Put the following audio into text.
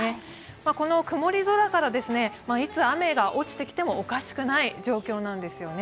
この曇り空からいつ雨が落ちてきてもおかしくない状況なんですね。